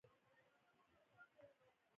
استعمال سي.